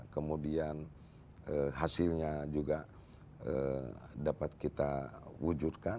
kemudian hasilnya juga dapat kita wujudkan